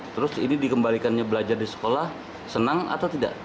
terus ini dikembalikannya belajar di sekolah senang atau tidak